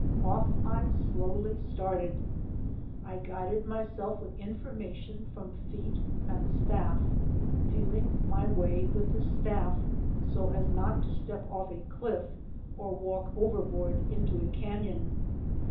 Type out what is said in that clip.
Off I slowly started. I guided myself with in formation from feet and staff, feeling my way with the staff so as not to step off a cliff or walk over board into a canon.